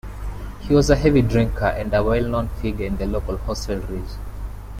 He was a heavy drinker and a well-known figure in the local hostelries.